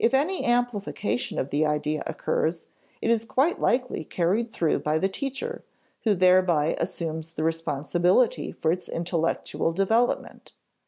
If any amplification of the idea occurs, it is quite likely carried through by the teacher, who thereby assumes the responsibility for its intellectual development.